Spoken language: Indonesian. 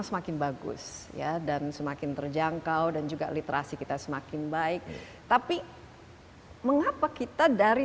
semakin bagus ya dan semakin terjangkau dan juga literasi kita semakin baik tapi mengapa kita dari